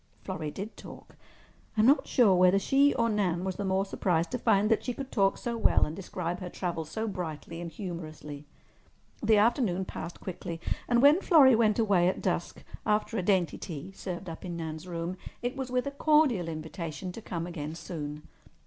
Florrie did talk. I'm not sure whether she or Nan was the more surprised to find that she could talk so well and describe her travels so brightly and humorously. The afternoon passed quickly, and when Florrie went away at dusk, after a dainty tea served up in Nan's room, it was with a cordial invitation to come again soon.